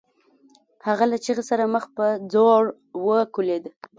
هغه له چيغې سره مخ په ځوړ وکوليد.